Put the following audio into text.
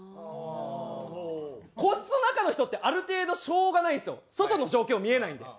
個室の中の人ってある程度しょうがないんですよ外の状況見えないんで。